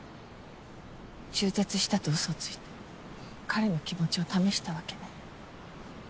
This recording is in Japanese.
中絶したとウソをついて彼の気持ちを試したわけね。